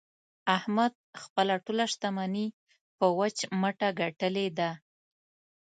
احمد خپله ټوله شمني په وچ مټه ګټلې ده.